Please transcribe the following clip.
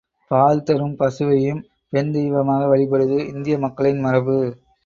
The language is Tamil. பால் தரும் பசுவையும் பெண் தெய்வமாக வழிபடுவது இந்திய மக்களின் மரபு.